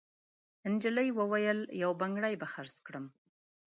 نجلۍ وویل: «یو بنګړی به خرڅ کړم.»